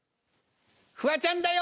フワちゃんだよ。